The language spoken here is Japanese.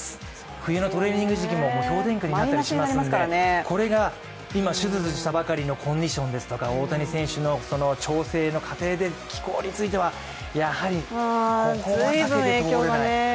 冬のトレーニング時期も氷点下になったりしますので、これが今手術したばかりのコンディションですとか、大谷選手の調整の過程で気候については、やはりここは避けて通れない。